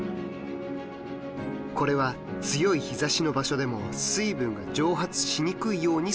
これは強い日ざしの場所でも水分が蒸発しにくいようにするため。